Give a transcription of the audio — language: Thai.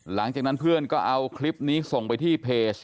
หลังจากนั้นเพื่อนก็เอาคลิปนี้ส่งไปที่เพจ